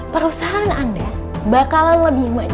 perusahaan anda bakalan lebih maju